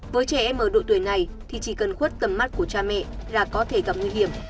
với trẻ em ở độ tuổi này thì chỉ cần khuất tầm mắt của cha mẹ là có thể gặp nguy hiểm